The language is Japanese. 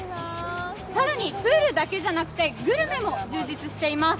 更にプールだけじゃなくてグルメも充実しています。